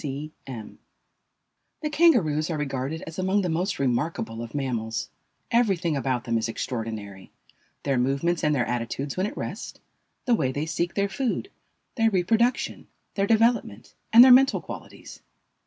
C. C. M. The Kangaroos are regarded as among the most remarkable of mammals. Everything about them is extraordinary; their movements and their attitudes when at rest, the way they seek their food, their reproduction, their development, and their mental qualities.